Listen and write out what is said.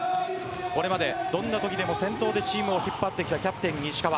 これまで、どんなときでも先頭でチームを引っ張ってきたキャプテン石川。